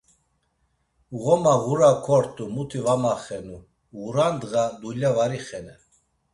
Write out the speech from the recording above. Ğoma ğura kort̆u muti va maxenu, ğura ndğa dulya var ixenen.